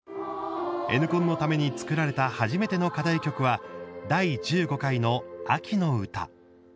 「Ｎコン」のために作られた初めての課題曲は第１５回の「秋の歌」。